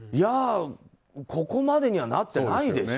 ここまでにはなっていないでしょ。